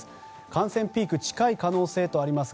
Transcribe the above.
感染ピークが近い可能性とあります。